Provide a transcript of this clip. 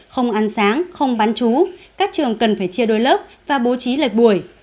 không ăn sáng không bán chú các trường cần phải chia đôi lớp và bố trí lệch buổi